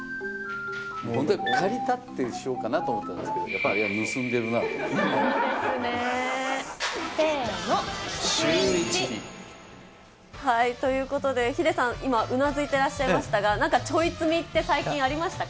もう本当に借りたってしようかなと思ったんですけど、やっぱあれですね。ということで、ヒデさん、今、うなずいていらっしゃいましたが、なんかちょい罪って最近、ありましたか。